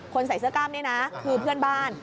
ใส่เสื้อกล้ามนี่นะคือเพื่อนบ้าน